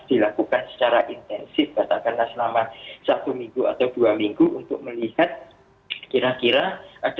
dilakukan secara intensif katakanlah selama satu minggu atau dua minggu untuk melihat kira kira ada